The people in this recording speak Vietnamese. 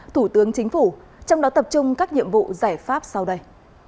thủ tướng chính phủ trong đó tập trung các nhiệm vụ giải pháp sau đây